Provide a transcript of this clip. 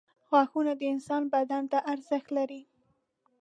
• غاښونه د انسان بدن ته ارزښت لري.